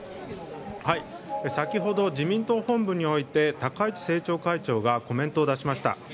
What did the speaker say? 先ほど、自民党本部において高市政調会長がコメントを出しました。